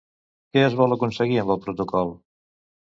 Què es vol aconseguir amb el protocol?